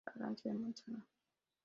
Fragancia de manzana.